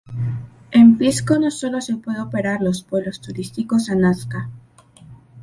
En Pisco no sólo se puede operar los vuelos turísticos a Nasca.